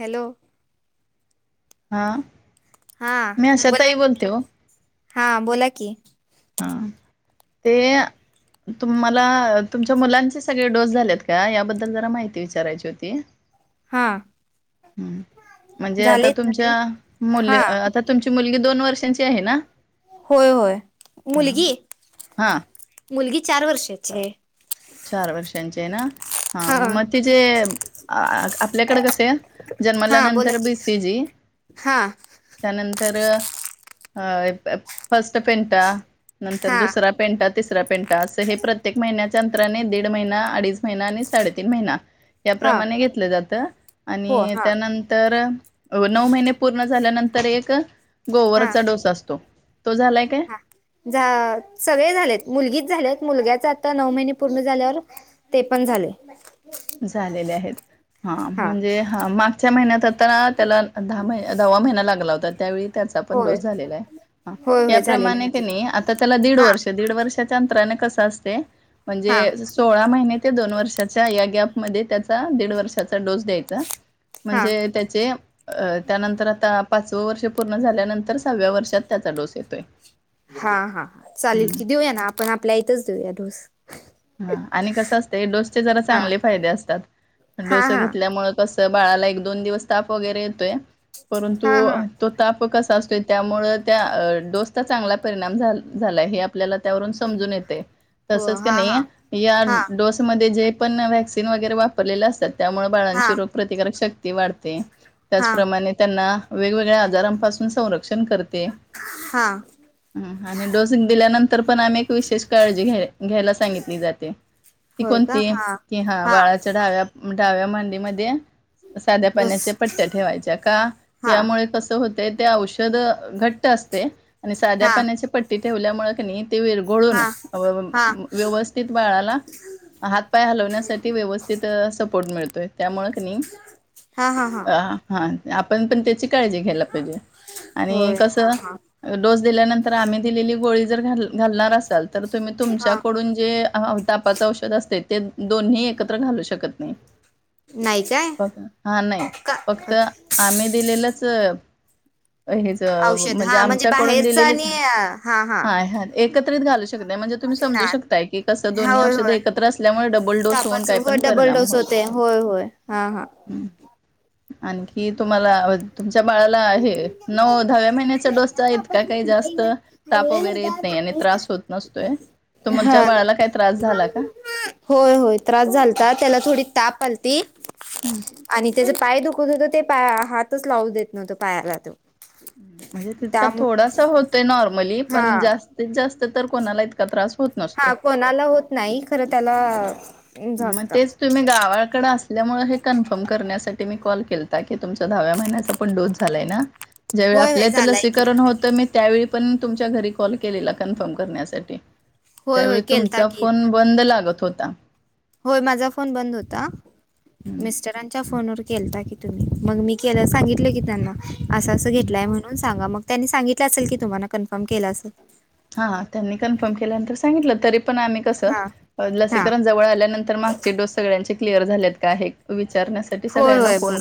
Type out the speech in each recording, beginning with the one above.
Hello. हा. हा मी बोला आशाताई की बोलते हो हा बोला की. हा ते तुम्हाला तुमच्या मुलांचे सगळे डोस झालेत का याबद्दल जरा माहिती विचारायची होती. [inaudible] हां. म्हणजे आता तुमच्या हा मुले आता तुमची मुलगी दोन वर्षांची आहे ना? होय होय हा मुलगी हा मुलगी चार वर्षाची आहे. चार वर्षांचे आहे ना हा म तीजे आपल्याकडे कसे आहे जन्माला नंतर बी सी जी हां. त्यानंतर अ ए प फर्स्ट पेंटा नंतर हा दुसरा पेंटा, तिसरा पेंटा असं हे प्रतेक महिन्यात अंतराने, दीड महिना, अडीच महिना आणि साडेतीन महिना हा याप्रमाणे घेतलं जातं हो आणि हा त्यानंतर नऊ महिने पूर्ण झाल्यानंतर एक हा गोवरचा डोस असतो तो झालाय काय? हा झा सगळे झालेत मुलगीचा झालेत मुलग्याचा आता नऊ महिने पूर्ण झाल्यावर ते पण झाले. झालेले आहेत हा म्हणजे हा मागच्या महिन्यात आ ता त्याला दहा महि दहावा महिना लागला होता त्यावेळी त्याचा पण होय डोस झालेला आहे. होय होय झालेलं आहे याप्रमाणे की कनी आता त्याला दीड हा वर्ष दीड वर्षाच्या अंतराने कस असते. हा म्हणजे? सोळा महिने ते दोन वर्षाच्या या गॅप मध्ये त्याचा दीड वर्षाचा डोस द्यायचा. हा हा म्हणजे त्याचे. अ त्यानंतर आता पाचवं वर्ष पूर्ण झाल्यानंतर सहाव्या वर्षात त्याचा डोस येतोय. हा हा चालेल हम्म की देऊया ना आपण आपल्या इथच देऊया डोस. ह आणि कसं असतय डोसचे जरा हा चांगले फायदे असतात हा डोस हा घेतल्यामुळे कस बाळाला एक दोन दिवस ताप वगैरे येतोय परंतु, हा हा तो ताप कसा असतोय त्यामुळ त्या डोसचा चांगला परिणाम झा झालाय हे आपल्याला त्यावरून समजून येत. हो तसच हा क हा नाई या हा डोस मधे जे पण व्हॅक्सिन वगैरे वापरलेले असतात. त्यामुळे हा बाळांची रोग प्र्रतिकारक शक्ती वाढते. हा त्याचप्रमाणे त्यांना, वेगवेगळ्या आजारांपासून संरक्षण करते. हां ह आणि डोस दिल्यानंतर पण आम्ही एक विशेष काळजी घ्या घ्यायला. सांगितली जाते ती होय का कोणती हा कि हा बाळाची डाव्या म डाव्या मांडीमध्ये. साध्या ढोस पाण्याच्या पट्ट्या ठेवायच्या का हा यामुळे कसं होतय. ते औषध घट्ट असते आणि साध्या हा पाण्याची पट्टी ठेवल्यामुळे कणइ ते विरगळून हा हा तेच बाळाला हात पाय हलवण्यासाठी व्यवस्थित सपोर्ट मिळतोय. त्यामुळं कनी हा हा आपण पण त्याची काळजी घ्यायला पाहिजे आणि होय हा कसं हा डोस दिल्यानंतर आम्ही दिलेली गोळी जर घाल घालणार असाल तर तुम्ही तुमच्या. हा जे तापाच औषध असतय ते दोन्ही एकत्र घालू शकता. त नाही काय नाही हा नाही का फक्त आम्ही दिलेलंच अ. हेच औषध म्हणजे हा आमच्याकडून बाहेरच दिलेलीच आणि अ, हा हाय हा एकत्रित घालू शकताय म्हणजे तुम्ही समजू ना शकताय. की कस दोन्ही होय औषध होय एकत्र असल्यामुळे डबल डोस होऊन तापाच काय होय पण डबल परिणाम डोस होऊ होते शकतो. होय होय हा हा ह्म आणखी तुम्हाला व तुमच्या बाळाला हे नऊ दहाव्या महिन्याचा डोस चा का काही जास्त ताप वगैरे येत नाही आणि त्रास होत नसतोय. हा तुमच्या बाळाला काही त्रास झाला का? होय होय त्रास झालता त्याला थोडी ताप आलती. आणि त्याच पाय दुखत होतो ते पाया हातच लावू देत नव्हतो पायाला तो. म्हणजे तितका त्यामुळे थोडासा होतोय नॉर्मली हा पण जास्तीत जास्त तर कोणाला इतका त्रास होत नसतोय. ला होत नाही खर त्याला मग जमत तेच तुम्ही गावाकड असल्यामुळे हे कन्फर्म करण्यासाठी मी कॉल केलता की तुमच दहाव्या महिन्याच पण डोस झालाय ना ज्यावेळी होय होय आपल्या हित झालाय की लसीकरण हुतय मी.. त्या वेळी पण तुमच्या घरी कॉल केलेला कन्फर्म करण्यासाठी होय होय त्यावेळी केलता तुमचा की फोन बंद लागत होता. होय माझा फोन बंद हुता मिस्टर यांच्या फोन वर केलता की तुम्ही मग मी केला सांगितल की त्यांना. असं असं घेतलाय म्हणून सांगा मग त्यांनी सांगितलं असल की तुम्हाला कन्फर्म केल अस. हा हा त्यांनी कन्फर्म केल्यानंतर सांगितलं तरी पण आम्ही कसं हा हा लसीकरण जवळ आल्यानंतर मागचे डोस सगळ्यांचे क्लिअर झाल्यात का हे विचारण्या होय होय ब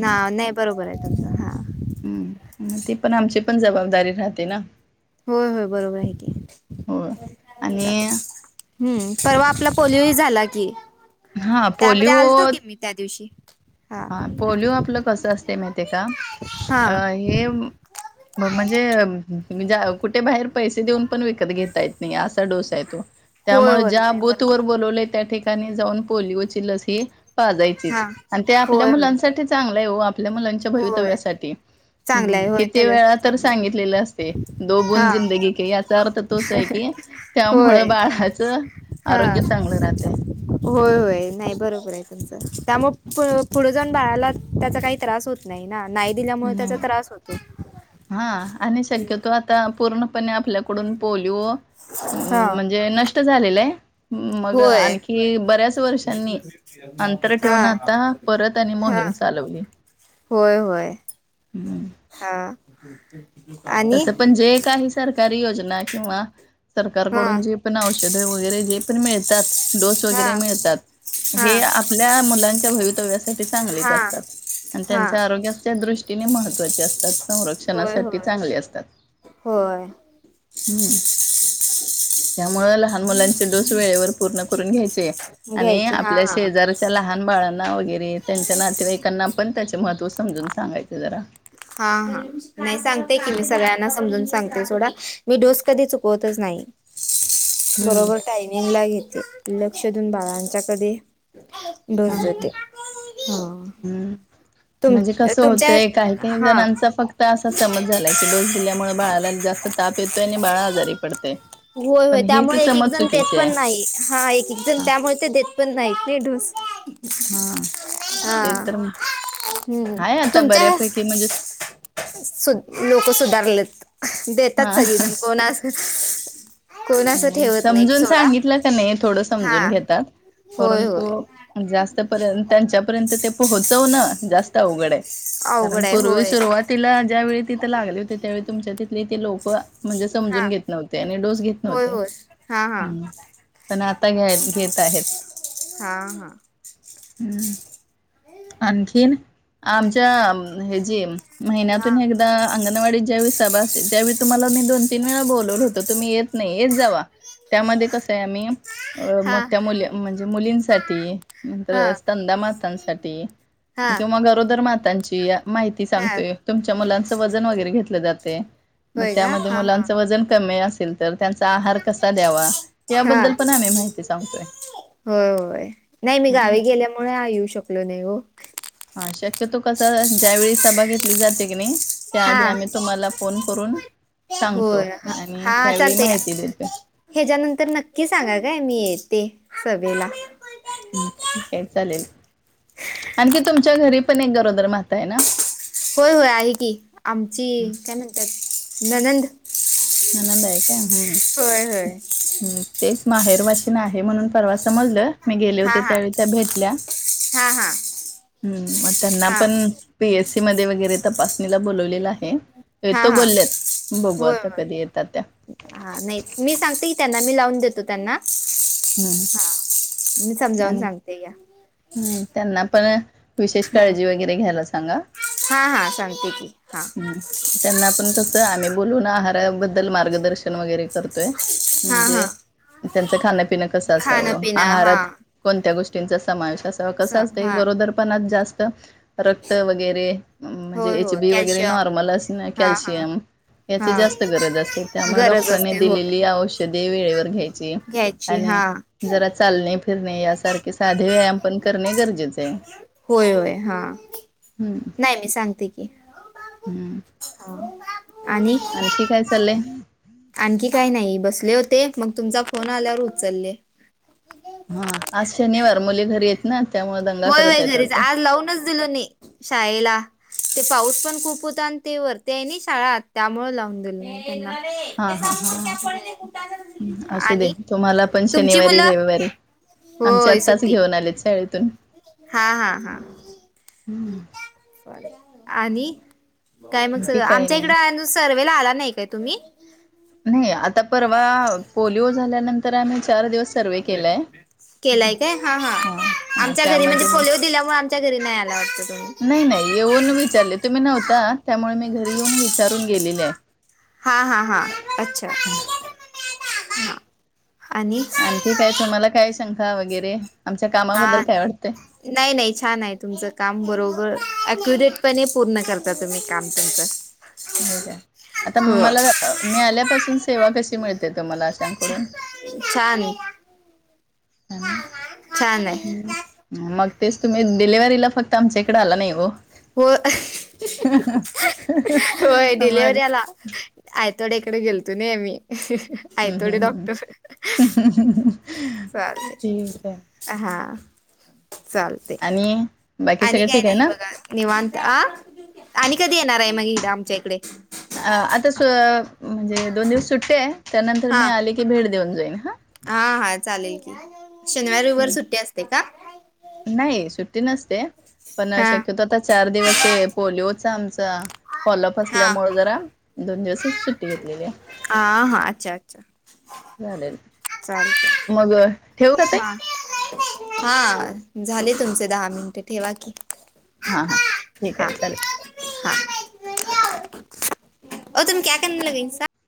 ना नाही बरोबर आहे तुमचा. हम्म ते पण आमची पण जबाबदारी राहते ना. होय होय बरोबर आहे की हो. चाल आणि [unintelligible] हम्म परवा आपला पोलिओ हि झाला की हा त्यामध्ये पोलिओ आलतो की मी. त्या दिवशी, हा. पोलिओ आपलं कसं असतय माहितय आहे का हा अ हे म म्हणजे म्हणजे कुठे बाहे [unintelligible] पैसे देऊन पण विकत घेता येत नाही असा डोस आहे तो. होय त्यामुळ होय ज्या नाही भूत वर बरोबर बोलवले त्या ठिकाणी जाऊन पोलिओची लस ही हा पाजायचीच आणि ते आपल्या होय होय मुलांनसाठी चांगलं आहे हो आपल्या मुलांच्या होय भवितव्यासाठी. चांगलं आहे हम होय किती वेळा त्याच्यासाठी तर चांगली सांगितलेलं असते दो बुध हा जिंदगी के याचा अर्थ तोच आहे की होय त्यामुळं बाळाच हा आरोग्य चांगलं राहत. होय होय नाही बरोबर आहे तुमच त्यामुळं प पुढ जाऊण बाळाला त्याचा काही त्रास होत नाही ना नाही दिल्यामुळ त्याचा राहतय. त्रास होतो, हम्. ता पूर्णपणे आपल्याकडून पोलिओ हा म्हणजे नष्ट झालेलंय, मग होय आणखी बऱ्याच वर्षांनी अंतर हा ठेवून आता परत आणि हा मोहीम चालवली. होय होय, हम्म. हा. आणि तसं पण जे काही सरकारी योजना किंवा हा सरकारकडून जे पण औषध वगैरे जे पण मिळतात, डोस हा वगैरे मिळतात, हा हे आपल्या मुलांच्या भवितव्या सा तर ते चांगलीच हा असतात अन हा त्यांच्या आरोग्याच्या दृष्टीने महत्वाचे असतात होय सवरक्षणासाठी होय होय [unintelligible] हम् त्यामुळं लहान मुलांचे डोस वेळेवर पूर्ण करून घ्याय चे आणि घ्यायची हा आपल्या हा शेजार च्या लहान बाळांना वगैरे त्यांच्या नातेवाईकांना पण त्याचे महत्त्व समजून सांगाय जरा. हा हा नाही सांगते की मी सगळ्यांना समजून सांगते सोडा. मी डोस कधी चुकवतच नाही हम्म बरोबरं टायमिंग ला घेते लक्ष देऊन बाळाच्या कधे हा हा, हम्म. तुम म्हणजे कसं तुमच्या होतंय काही काही हा जणांचा फक्त असा सम [unintelligible] झालय की डोस दिल्यामुळ बाळाला जास्त ताप येतोय आणि बाळ आजारी पडतय. होय होय पण हीच त्यामुळ एक एक समज जण देत चुकीची आहे. पण नाही हा ए एक जण हा त्यामुळे ते देत पण नाही ते डुस. हा हा, ते तर हम्म, आहे आता तुमच्या बऱ्यापैकी म्हणजे सु लोक सुधारलेत, देतात हा सगळीजण कोणा अस कोण असं नाही ठेवत नाहीत समजून सोडा सांगितलं क नाही थोडं हा समजून घेतात, होय होय परंतु जास्त पर्यंत त्यांच्यापर्यंत ते पोहोचव न जास त आवगड हाय, कारण अवघड आहे पूर्वी होय सुरवात तिला ज्यावेेळी तिथं लागली होती त्यावेळी तुमच्या तिथले ते लोक म्हणजे हा समजून घेत नव्हते आणि डोस घेत नव्ह होय ते होय हा हा पण आता घ्या घेत आहेत ‌. हा हा. हम, आणखीन आमच्या आणखी हे जी हा महिन्यातून एकदा ता अंगणवाडी ज्यावेळी सभा असते, त्यावेळी तुम्हांला मी दोन तीन वेळा बोलवलं होतं, तुम्हीं येत नाही. येत जावा, त्यामध्ये कसं आहे आम्ही अ हा मोठ्या मुली म्हणजे मुलींसाठी, अं हा परत स्तनदा मातांसाठी हा किंवा गरोदर मातांचीय माहिती हा सांगतोय. तुमच्या मुलांच वजन वगैरे घेतलं जाते. मग होय का त्यामध्ये हा हा मुलांच वजन कमी असेल तर त्यांचा आहार कसा द्यावा हा याबद्दल पण आम्ही माहिती सांगतोय. होय, होय नाही मी हम्म. गावी गेल्यामुळं, हां येऊ शकलो नाही ओ. हां, शक्यतो कसा ज्या वेळी सभा घेतली जाते की नाही त्या आधी हा आम्ही तुम्हांला फोन करून सांगतो होय आणि त्यावेळी माहिती देतोय. हेज्यानंतर नक्की सांगा गं? मी येते सभेला. हम, ठीक आहे चालेल. आणखी तुमच्या घरी पण एक गरोदर माता हाय ना? होय, होय आहे की. आमची काय म्हणतात? नणंद. नणंद आहे काय? हम्म. होय होय हम, तेच माहेरवाशीन आहे म्हणून परवा समजलं. मी गेले हा होते हा त्यावेळी त्या भेटल्या. हा हा हम्म, मग त्यांना हा पण पी एस सी मध्ये वगैरे तपासणीला बोलवलेलं आहे. हा येतो हा बोलल्यात बघू होय आता होय कधी येतात त्या. हा, नाही मी सांगते की त्यांना मी लावून देतो त्यांना. [unintelligible] मी समजावून सांगते या. हम्म, त्यांना पण विशेष काळजी वगैरे घ्यायला सांगा. हां, हां सांगते की. हां हम्म, त्यांना पण कसं आम्ही बोलून आहाराबद्दल मार्गदर्शन वगैरे करतोय. हा हा म्हणजे त्यांचं खाणंपिणं कसं खाणं असावं. पिणं आहारात हा कोणत्या गोष्टींचा समावेश असावा. स कसं असतय हा गरोदर पणात जास्त रक्त वगैरे अं म्हणजे होय एच होय बी वगैरे कॅल्शियम नॉर्मल असणं हा हा कॅल्शियम याची हा जास्त गरज असते. त्यामुळे गरज डॉक्टरांने असते होय दिलेली औषधे वेळेवर घ्यायची घ्यायची आणि हा जरा चालणे फिरणे यासारखी सा ते व्यायाम पण करणे गरजेचे हय. होय होय हा हम्म. नाही मी सांगते की अं आणि आणखी काय चाललंय? आणखी काय नाही बसले होते. मग तुमचा फोन आल्यावर उचलले. हा आज शनिवार मुले घरी हेत. नाही त्यामुळे [unintelligible] होय, होय आहेत घरीच. वाटतं. आज लावूनच दिलं नहीं शाळेला. ते पाऊस पण खूप होता आणि ते वरती आहे ना शाळा त्यामुळं लावून दिलं नहीं. हा हा हा हा हम्म, [unintelligible] असू दे आणि तुम्हाला तुमची मुलं? आमची होय आत्ताच सुट्टी घेऊन आलेत शाळेत हा, हा, हा [unintelligible] आणि काय मग आणखी सगळं, काही आमच्या इकडं नाही. आणू सर्वेला आला नाय काय तुम्ही? नाही आता परवा पोलिओ झाल्यानंत [unintelligible] केलाय काय? हा, हा हा, आमच्या घरी म्हणजे त्यामध्ये म पोलिओ दिल्यामुळं आ च्या घरी नाही आला वाटतं तुम्ही. नाही नाही येऊन विचारले तुम्ही नव्हता त्यामुळे मी घरी येऊन विचारून गेलेले आहे. हां हां हां अच्छा हा आणि आणखी काय तुम्हाला काय शंका वगैरे, आमच्या कामाबद्दल हा काय वाटतंय? नाही नाही छान आहे तुमचं काम बरोबर अक्युरेट पणे पूर्ण करता तुम्ही काम तुमचं. हो का, आता हो मला मी आल्यापासून सेवा कशी मिळते तुम्हाला अशांकडून? छान. छान छान आहे आहे हम्म. मग तेच तुम्ही डिलेव्हरीला फक्त आमच्या इकडे आला नाही ओ. हो होय मग डिलेव्हऱ्याला आयतोडे कडे गेलतो नाही आम्ही हम्म आयतोडे हम्म हम्म डॉक्टर. [unintelligible] चालेल ठीक आहे हा चाल ते आणि बाकी आणि सगळं काय ठीक आहे नाही ना बघा. निवांत, आं आणि कधी येणार आहे मग इगड आमच्या इकडे? अं आता सु म्हणजे दोन दिवस सुट्टी आहे त्यानंतर मी आले की भेट देऊन जाईन हं. आं हा चालेल की. रविवारी सुट्टी ठीक असते का? नाही सुट्टी नसते पण हा शक्यतो आता चार दिवस ते पोलिओचा आमचा फॉलोअप हा असल्यामुळे जरा दोन दिवसच सुट्टी घेतलेली आहे. आ हा अच्छा अच्छा. झालेल चालतंय मग ठेवू का ताई हा हा झाले तुमचे दहा मिनिटं ठेवा की. हां हां ठीक हा आहे चालेल. हा, ओ तुम्ही क्या केना लगेईनसा